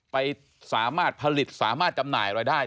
ไปสามารถผลิตสามารถจำหน่ายอะไรได้